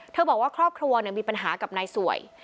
บอกว่าครอบครัวมีปัญหากับนายสวย